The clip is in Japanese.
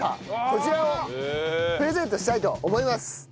こちらをプレゼントしたいと思います。